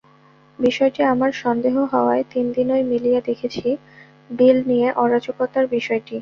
বিষয়টি আমার সন্দেহ হওয়ায় তিন দিনই মিলিয়ে দেখেছি বিল নিয়ে অরাজকতার বিষয়টি।